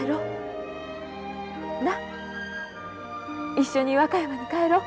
一緒に和歌山に帰ろう。